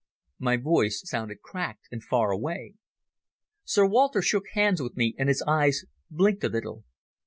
My voice sounded cracked and far away. Sir Walter shook hands with me and his eyes blinked a little.